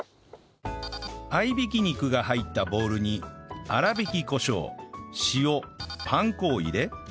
合い挽き肉が入ったボウルに粗挽きコショウ塩パン粉を入れ